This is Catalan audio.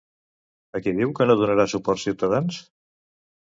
A qui diu que no donarà suport Ciutadans?